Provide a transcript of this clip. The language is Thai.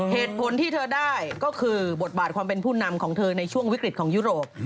เหตุผลที่เธอได้ก็คือบทบาทความเป็นผู้นำของเธอในช่วงวิกฤตของยุโรป